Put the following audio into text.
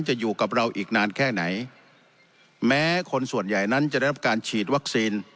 จะอยู่กับเราอีกนานแค่ไหนแม้คนส่วนใหญ่นั้นจะได้รับการฉีดวัคซีน